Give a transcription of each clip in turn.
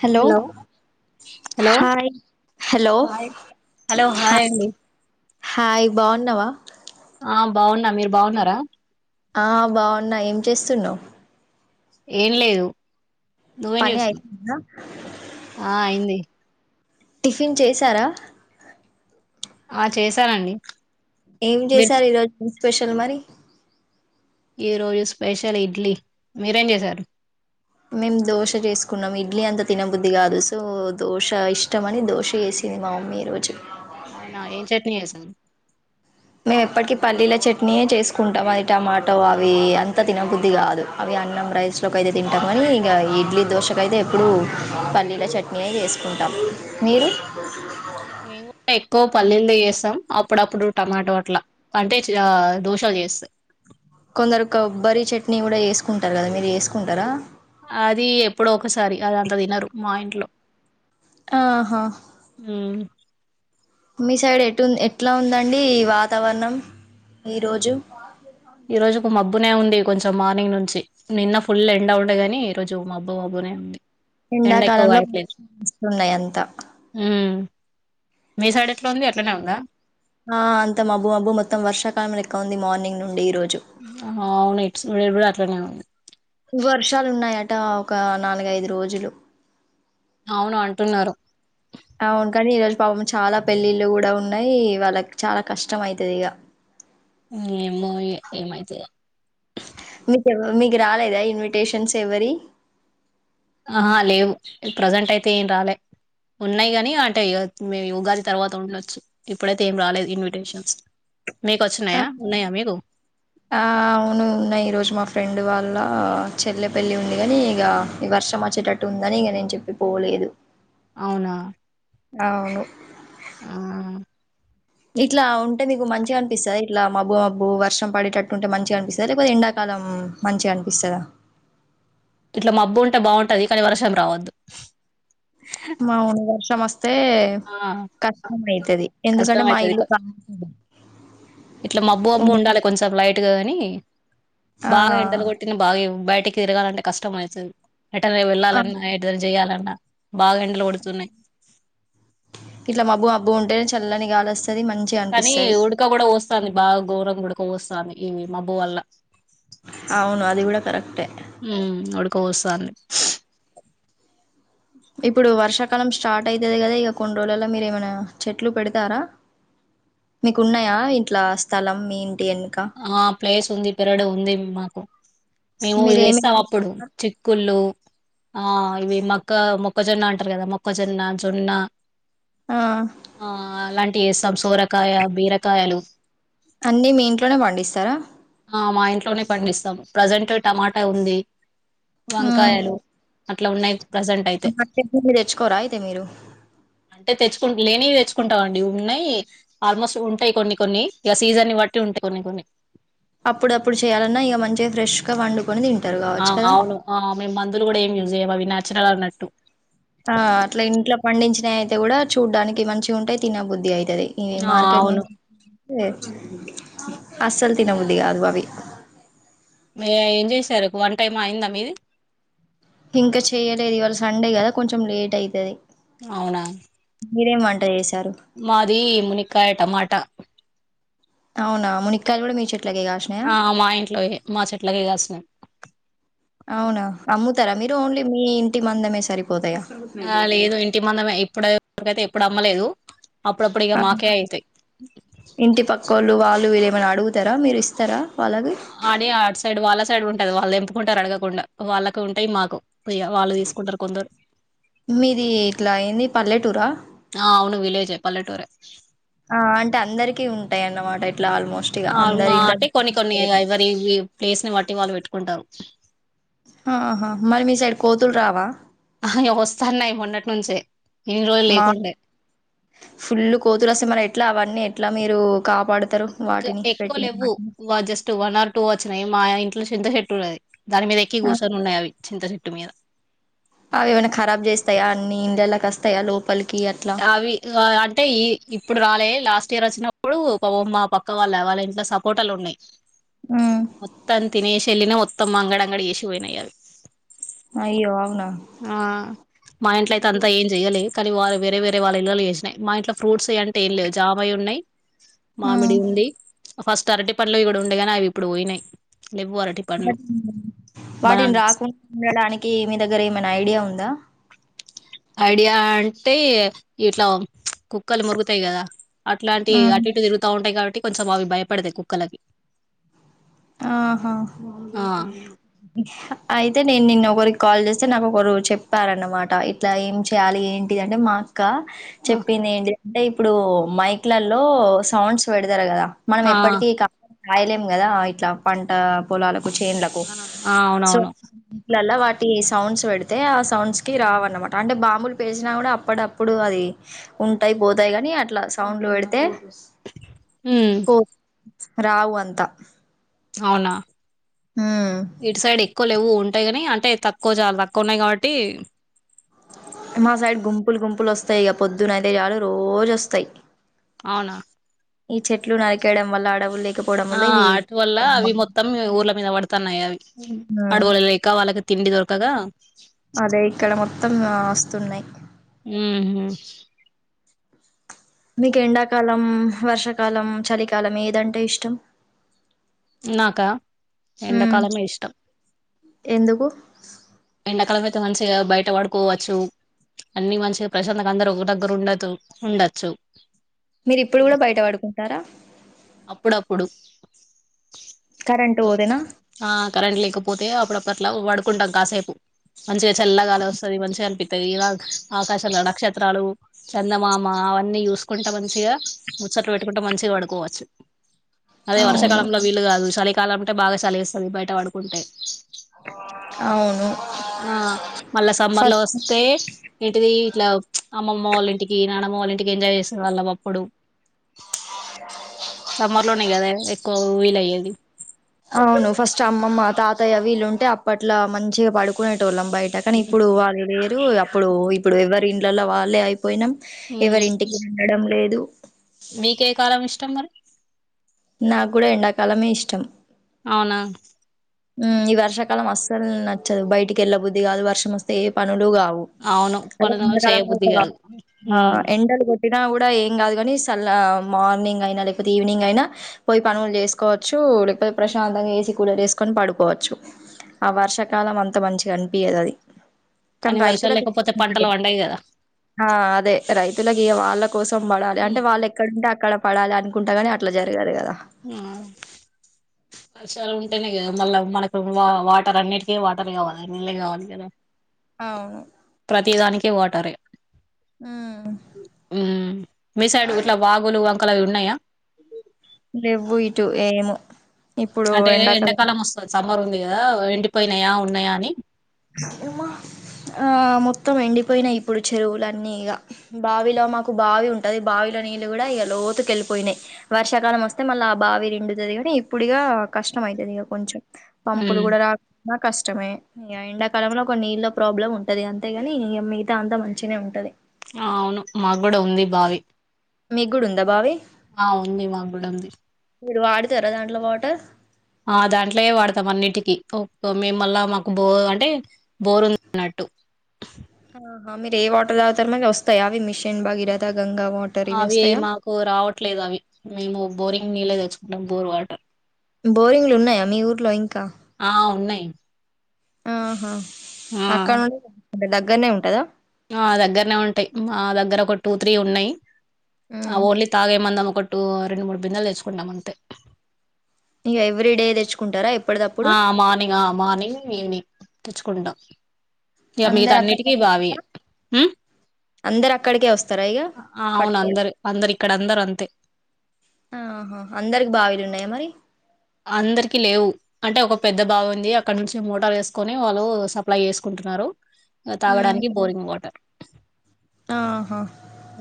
Hello hello hi hello hi hello hi అండి hi బాన్నవా ఆ బాన్న మీరు బాగున్నారా ఆ బావున్నా ఏం చేస్తున్నావు ఏం లేదు నువ్వేం పని చూస్తున్నావు అయిపోయిందా ఆ అయింది టిఫిన్ చేశారా ఆ చేశానండి ఏం మీరు చేశారు ఈరోజు స్పెషల్ మరి ఈ రోజు స్పెషల్ ఇడ్లీ మీరేం చేశారు మేం దోశ చేసుకున్నాం ఇడ్లీ అంతా తినబుద్ధది కాదు సో దోశ ఇష్టం అని దోశ వేసి ది మా మమ్మీ ఈరోజు అవునా ఏం చట్నీ చేసిన్ మేము ఎప్పటికిీ పల్లీల చట్నీయే చేసుకుంటాం అది టమాటో అవి అంత తినబుద్ది కాదు అవి అన్నం రైస్లోకి అయితే తింటాం కాని ఇంక ఇడ్లీ దోశక అయితే ఎప్పుడు పల్లీల చట్నీయే చేసుకుం మీరు మేము కూడా ఎక్కువ పల్లీలు చేస్తాం అప్పుడప్పుడు టమాటో అట్లా అంటే దోశ తెస్ కొందరు కొబ్బరి చట్నీ కూడా చేసుకుంటారు కదా మీరు చేసుకుంటారా అది ఎప్పుడో ఒకసారి అది అంత తినరు మా ఇంట్లో ఆహా ఉమ్ మీ సైడ్ ఎటు ఎట్లా ఉందండి వాతావరణం ఈరోజు ఈ రోజు ఒక మబ్బునే ఉంది కొంచెం మార్నింగ్ నుంచి నిన్న ఫుల్ ఎండ వుండగాని ఈ రోజు మబ్బు మబ్బునే ఉంది ఎండ ఎక్కువ కాయట్లేదు ఎండాకాలంలోస్తున్నాయి అంతా ఉమ్ మీ సైడ్ ఎట్లా ఉంది అట్లనే ఉందా ఆ అంత మబ్బు మబ్బు మొత్తం వర్షాకాలం లెక్క ఉంది మార్నింగ్ నుండి ఈ రోజు ఆ అవును కూడా అట్లనే ఉంది వర్షాలు ఉన్నాయట ఒక నాలుగైదు రోజులు అవును అంటున్నారు అవును కానీ ఈరోజు పాపం చాలా పెళ్ళిళ్ళు కూడా ఉన్నాయి వాళ్ళకి చాలా కష్టం అయితది ఇగా ఏమో ఇగ ఏమైతదో మీకు మీకు రాలేదా ఇన్విటేషన్స్ ఎవ్వరియి ఆహా లేవు ప్రజెంట్ అయితే ఏం రాలే ఉన్నాయి కాని అంటే మే ఉగాది తర్వాత ఉండొచ్చు ఇప్పుడైతే ఏం రాలేదు ఇన్విటేషన్స్ మీకు వచ్చినాయా ఉన్నాయా మీకు ఆ అవును ఉన్నాయి ఈ రోజు మా ఫ్రెండ్ వాళ లా చెల్లెపల్లి ఉందిగాని ఇగా ఈ వర్షం వచ్చేటట్టు ఉందని ఇగా నేను చెప్పి పోలేదు అవునా అవును ఆ ఇట్లా ఉంటే నీకు మంచిగా అనిపిస్తదా ఇట్లా మబ్బు మబ్బు వర్షం పడేటట్టుంటే మంచిగా అనిపిస్తదా లేకపోతే ఎండాకాల లం మంచిగా అనిపిస్తదా ఇట్లా మబ్బు ఉంటే బాగుంటది కానీ వర్షం రావద్దు మామూలు వర్షం వస్తే ఆ కష్టం అవుతుది కష్టం ఎందుకంటే మా అయితది ఇల్లు కా ఇట్లా మబ్బుమబ్బు ఉండాలే కొంచెం లైట్ టు కాని ఆ బాగా ఎండలు కొట్టిన బాగా బయటికి తిరగాలంటే కష్టం అయితది ఎటన్నా ఆ వెళ్ళాలన్నా ఏదన్నా చెయాలన్నా బాగా ఎండలు కొడుతున్నాయి ఇట్లా మబ్బు మబ్బు ఉంటే చల్లని గాలి వస్త కానీ ఉడక కూడా పోస్తంది బాగా ఘోరంగా ఉడక పోస్తుంది ఈ మబ్బు వల్ల అవును అది కూడా కరెక్టే కోస్తాది ఇప్పుడు వర్షాకాలం స్టార్ట్ అయితుది కదా ఇగా కొన్ని రోజులల్ల మీరు ఏమైనా చెట్లు పెడతారా మీకు ఉన్నాయా ఇంట్లా స్థలం మీ వెనుక ఆ ప్లేస్ ఉంది పెరడు ఉంది మాకు మేము ఇ మీరేమి వేస్తాం అప్పుడు చిక్కుళ్ళు ఆ ఇవి మొక్క మొక్కజొన్న అంటారు కదా మొక్కజొన్న జొన్న ఆ టిసం సొరకాయ బీరకాయలు అన్నీ మీ ఇంట్లోనే పండిస్తారా ఆ మా ఇంట్లోనే పండిస్తాం ప్రెసెంట్ టమాటా ఉంది ఉమ్ వంకాయలు అట్లా ఉన్నాయి ప్రెసెంట్ అయితే మార్కెట్ నుండి తెచ్చుకోరా అయితే మీరు అంటే తెచ్చుకుంట లేని తెచ్చు కుంటామండి ఉన్నాయి ఆల్మోస్ట్ ఉంటాయి కొన్ని కొన్ని ఇగ సీజన్ బట్టి ఉంటాయి కొన్ని కొన్ని అప్పుడప్పుడు చేయాలన్నా ఇ గ మంచిగా ఫ్రెష్ గా వండు ఆ అవును మేము మందులు కూడా ఏం యూజ్ చేయ్యము అవి నాచురల్ అన్నట్టు. ఆ అట్లా ఇంట్లో పండించినయి అయితే కూడా చూడ్డానికి మంచిగా ఉంటాయి తినబుద్ధి అయి తది ఈ ఆ మార్కెట్ అవును నుండి తే అస్సలు తినబుద్దిగాదు అవి మీర ఏం చేశారు వంటెయ్ అయిందా మీది ఇంకా చెయలేదు ఇవాళ సండే కదా కొంచెం లేట్ అయితది అవునా మీరేం వంట చేసి మాది మునికాయ టమాటా అవునా మునిక్కాయలు కూడా మీ చెట్ ఆ మా ఇంట్లోయే మా చెట్లకే కాసినయి. అవునా అమ్ముతరా మీరు ఓన్లీ మీ ఇంటి మందమే సరిపోతయా. ఆ లేదు ఇంటి మందమే ఇప్పుడ వరకైతే ఎప్పుడు అమ్మలేదు. అప్పుడప్పుడు ఇక మాకే అయితాయి ఇంటి పక్కొళ్ళు వాళ్ళు వీళ్ళ ఏమైనా అడుగుతరా మీరు ఇస్తరా అడి ఆట్ సైడ్ వాళ్ళ సైడ్ ఉంటది వాళ్ళు తెంపుకుంటరు అడగకుండా వాళ్ళకు ఉంటాయి మాకు ఇగ వాళ్ళు తీసుకుంటరు కొందరు మీది ఇట్లా ఏంది పల్లెటూరా విలేజ్ పల్లెటూరె ఆ అంటే అందరికి ఉంటాయి అన్నమాట ఇట్లా ఆల్మోస్ట్ ఇగ ఆ అందరి మా ఇండ్ల అంటే కొన్ని కొన్ని ఇగ ఎవరి ప్లేస్ ని బట్టి వాళ్ళు పెట్టుకుంటారు ఆహా మరి మీ సైడ్ కోతులు రావా ఇగ వస్తన్నయి మొన్నటి నుంచే ఇన్ని రోజులు మా లేకుండే ఫుల్లు కోతులస్తే మల్ల ఎట్లా అవన్నీ ఎట్లా మీరు కాపాడుతారు వాటిని ఎక్కువ పెట్టిన లేవ్వు వాటిని జస్ట్ వన్ ఆర్ టూ వచ్చినయి మా ఇం ట్ల చింత చెట్టు ఉన్నది దాని మీద ఎక్కి ఆ, కూసోని ఉన్నయి అవి చింత చెట్టు మీద అవి ఏమైనా ఖరాబ్ చేస్తాయా అన్ని ఇండ్లలల్లకి వస్తాయా లో అవి అంటే ఈ ఇప్పుడు రాలే లాస్ట్ ఇయర్ వచ్చినప్పుడు పాపం మా పక్క వాళ్ళ వాళ్ళ ఇంట్లో సపోటాలునై ఉమ్ మొత్తం తినేసి ఎల్లినయి మొత్తం అంగడి అంగడి చేసి పోయినయి అవి అయ్యో అవునా ఆ మా ఇంట్లో అయితే అంతా ఏం చెయ్యలే కానీ వా వేరే వేరే వాళ్ళ ఇల్లలో చేసినయి మా ఇంట్ల ఫ్రూట్స్ అంటే ఏంలేవు జామయి ఉనాయి మామిడి ఉంది ఫస్ట్ అరటి పండ్లయి గుడా ఉండే కాని అవి ఇప్పుడు పోయినయి. వాటిని బనానా రాకుండా ఉండడానికి మీ దగ్గర ఏమన్నా ఐడియా ఉందా ఐడియా అంటే ఇట్లా కుక్కలు మొరుగుతాయి కదా అట్లాంటి హ్మ్ అటు ఇటు తిరుగుతా ఉంటాయి కాబట్టి టీ కొంచెం అవి భయపడతాయి కుక్కలకి ఆహా ఆ అయితే నేను నిన్న ఒకరికి కాల్ చేస్ తే నాకు ఒకరు చెప్పారన్నమాట ఇట్లా ఏం చేయాలి ఏంటి అంటే మా ఇంకా ఆ చెప్పింది ఏంటి అంటే ఇప్పుడు మైక్లల్లో సౌండ్స్ పెడతరు కదా మనం ఆ ఎప్పటికీ కా కాయలేం కదా ఇట్లా పంట పొలాలు చేన్లకు ఆ, సో అవునవును వీలల్ల వాటి సౌండ్స్ పెడితే ఆ సౌండ్స్ కి రావన్నమాట అంటే బాంబులు పేల్చిసనా కూడా అప్పుడప్పుడు అది ఉంటయి పోతయి కాని అట్లా సౌండ్లు పెడితే హ్ పో రావు అంత అవునా ఇటు సైడ్ ఎక్కువ లేవు ఉ ఉంటాయి ని అంటే తక్కువ చాలా తక్కువ ఉన్నాయి కాబట్టి మా సైడ్ గుంపులు గుంపులు వస్తాయి ఇక పొద్దున అయితే చాలు రోజు వస్తాయి అవునా ఈ చెట్లు నరికేయడం వల్ల అడవు లే ఆ అటువల్ల అవి మొత్తం ఊర్ల మీద పడుతున్నాయి అవి హ్మ్. అడవుల లేక వాళ్ళకి తిండి దొరకగా అదే ఇక్కడ మొత్తం వస్తున్నాయి ఉహు మీకు ఎండాకాలం వర్షాకాలం చలికాలం ఏదంటే ఇష్టం నాకా ఎండ ఉమ్ కాలమే ఇష్టం ఎందుకు ఎండాకాలం అయితే మంచిగా బయట పడుకోవచ్చు అన్ని మంచిగా ప్రశాంతంగా అందరు ఒకరి దగ్గర ఉండచ్చు ఉండొచ్చు మీరు ఇప్పుడు కూడా బయట పడుకుంటారా అప్పుడు అప్పుడు కరెంట్ పోతేనా ఆ కరెంట్ లేకపోతే అప్పుడప్పుడు అట్లా పడుకుంటాం కాసేపు మంచిగా చల్లగాలి వస్తుంది మంచిగా అనిపిస్ ఇలా ఆకాశ నక్షత్రాలు చందమామ అవన్నీ చూసుకుంటా మంచిగా చట్లు పెట్టుకుంట మంచిగా పడుకోవచ్చు [inaudible] అదే అవును వర్షాకాలంలో వీలు కాదు చలికాలం అంటే బాగా చలి ఇస్తుంది బయట పడుకుంటే అవును ఆ మళ్ళా సమ్మర్ లో ఫస్ట్ వస్తే ఏంటిది ఇట్లా అమ్మమ్మ వాళ్ళ ఇంటికి నానమ్మ వాళ్ళ ఇంటికి ఎంజాయ్ చేసినారు వాళ్ళం అప్పుడు [inaudible] సమ్మర్ లోనే కదా ఎక్కువ వీలు అయ్యేది అవును ఫస్ట్ అమ్మమ్మ తాతయ్య వీళ్ళుంటే అప్పట్లా మంచిగా పడుకునే కోనేటోల్లం బయట కానీ ఇప్పుడు వాళ్ళు లేరు అప్పుడు ఇప్పుడు ఎవరి ఇంట్లలో వాళ్ళే పోయినాం ఎవరి ఉమ్ ఇంటికి ఉండడం లేదు మీకే కాలం ఇష్టం మరి నాకు కూడా ఎండాకాలమే ఇష్టం అవునా ఈ వర్షాకాలం అస్సలు నచ్చదు బయటికెళ్ళబుద్ధి కాదు వర్షం వస్తే ఏ ప కావు అవును అదే పనులు ఎండాకాలం చేయబుద్ధి ఐతే కాదు ఉమ్ ఎండలు అయినా కూడా ఏం కాదు కానీ చల మార్నింగ్ అయినా లేకపోతే ఈవినింగ్ అయినా పోయి పనులు చేసుకోవచ్చు లేకపోతే ప్రశాంతంగా ఏసీ కూలర్ వేసు కొని పడుకోవచ్చు ఆ వర్షాకాలం అంత మంచిగా అనిపియదు అది కాని కానీ వర్షాలు రైతులకి లేకపోతే పంటలు [unintelligible] పండయి కదా ఆ అదే రైతులకి వాళ్ళ కోసం పడాలి అంటే ఉమ్, వాళ్ళు ఎక్కడంటే అక్కడ పడాలి అనుకుంటా కాని అట్లా జరగాదు కదా ఉమ్ [inaudible] వర్షాలు ఉంటేనే కదా మళ్ళా మనకు వాటర్ అన్నిటికీ వాటర్ కావాలి నీళ్ళ కావాలి కదా అవును ప్రతి దానికి వాటరే ఉమ్ ఉమ్ మీ సైడ్ గుట్ల వాగులు వంకలు అవి ఉన్నాయా రెవ్వు ఇటు ఏమో అంటే ఎండాకాలం వస్తది సమ్మర్ ఉంది కదా ఎండిపోయినాయా ఉన్నాయా అని ఉమ ఆ మొత్తం ఎండిపోయినయ్ ఇప్పుడు చెరువులన్నీ ఇగ బావిలో మాకు బావి ఉంటది బావిలో నీళ్ళు కూడా ఇగ లోతుకెళ్ళిపోయినాయి వర్షాకాలం వస్తే మళ్ళా ఆ బావి రెండు నిండుతదిగాని ఇప్పుడిగా కష్టం అవుతుంది ఇక కొంచెం పంపులు ఉమ్ కూడా రాకున్నా కష్టమే ఎండాకాలంలో ఒక నీళ్ల్లో ప్రాబ్లం ఉంటది అంతేగాని మిగతా అంతా మంచిన ఉంటది అవును మాగుడా ఉంది బావి మీగుడా ఉందా బావి ఆ ఉంది మా గూడ ఉంది మీడు వాడతారా దాంట్లో వాటర్ ఆ దాంట్లోయే వాడతాం అన్నింటికిీ మేమ్మల్ళ మాకు బో అంటే బోరున్నట్టు ఆహా మీరు ఏ వాటర్ దాగుతారు మరి వస్తాయి అవి మిషన్ బగీ రద అవి మాకు రావట్లేదు అవి మేము బోరింగ్ నీళ్ళే తెచ్చుకుంటాం బోర్ వాటర్ బోరింగ్లు ఉన్నాయా మీ ఊర్లో ఇంకా ఆ ఉన్నాయ్ ఆహా అక్కడ నుండ దగ్గరనే ఉంటదా ఆ దగ్గరనే ఉంటాయ్ మా దగ్గర ఒక టూ త్రీ ఉన్నాయ్ ఆ ఓన్లీ తాగే మందం కొట్టు రెండు మూడు బిందలు తెచ్చుకుంటాం అంతే ఇగ ఎవ్రీ డే తెచ్చుకుంటారా ఎప్పటిదప్పుడు ఆ మార్నింగ్ ఆ మార్నింగ్ ఈవినింగ్ తెచ్చుకుంటా ఇగ మిగతా అందరు అక్కడ అన్నిటికీ బావి ఉమ్ అందరు అక్కడికే వస్తారా ఇక అవును పట్టుకోవడం అందరు అందరు ఇక్కడ అందరు అంతే ఆహా అందరికి బావిలు ఉన్నాయా మరి అందరికి లేవు అంటే ఒక పెద్ద బావి ఉంది అక్కడ నుంచి మోటార్ వేసుకొని వాళ్ళు సప్లై చేసుకుంటున్నా రు ఉమ్ తాగడానికి బోరింగ్ వాటర్ ఆహా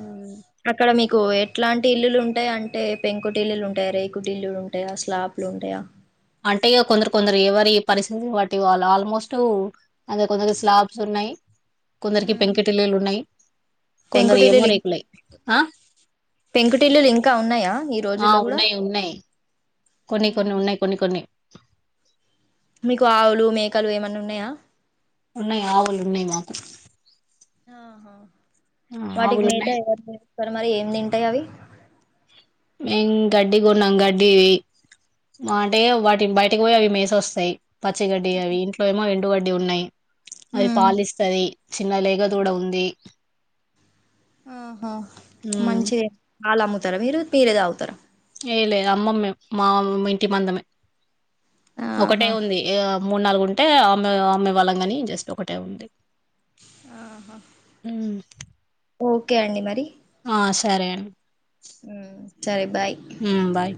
ఉమ్. అక్కడ మీకు ఎట్లాంటి ఇల్లులుంటాయి అంటే పెంకుటి ఇల్లులు ఉంటాయి రేకుటి ఇల్లులు ఉంటాయా స్లాబ్లు ఉంటాయా అంటే ఇగ కొందరు కొందరు ఎవరి పరిస్థితి బట్టి వాళ్ళ ఆల్మోస్ట్ అదే కొందరికి స్లాబ్స్ ఉన్నాయి కొందరికి ఉమ్ పెంకుటిల్లీలు ఉన్నాయి కొందరీ పెంకుటిల్లులు ఏమోరేకులవి ఆ పెంకుటిల్లులు ఇంకా ఉన్నాయా ఈ ఆ రోజుల్లో కూడా ఉన్నాయి ఉన్నాయి కొన్ని కొన్ని ఉహు ఉన్నాయి కొన్ని కొన్ని మీకు ఆవులు మేకలు ఏమన్న ఉన్నాయా ఉన్నాయి ఆవులున్నాయ్ మాకు ఆహా ఆ, వాటికి ఆవులు మెత ఉన్నాయి ఎవరు మేపుతారు మరి ఏం తింటాయి అవి ఇం గడ్డి కొన్నాం గడ్డివి అంటే వాటి బయటకి పోయి అవి మేసి వస్తాయి పచ్చిగడ్డి అవి ఇంట్లో ఏమో ఎండుగడ్డి ఉన్నాయి అది ఉమ్ పాలిస్తది చిన్న లేగ దూడ ఉంది ఆహ మ్మ్ మంచిదే పాల్ అమ్ముతారా మీరు మీరే తాగుతారా ఏ లే అమ్మం మేం మా ఇంటి మందమే ఒకటే ఆహా ఉంది ఆ మూడు నాలుగు ఉంటే అమ్మే అమ్మే వాళ్ళం గాని జస్ట్ ఒకటే ఉంది ఆహా మ్మ్ ఓకే అండి మరి ఆ సరే అం ఉమ్ సరే బాయ్ మ్మ్ బాయ్